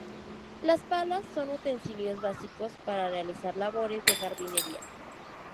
Las palas son utensilios básicos para realizar labores de jardinería.